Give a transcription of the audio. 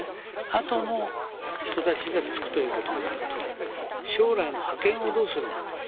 あとの人たちが就くということになると将来の覇権をどうするんだと。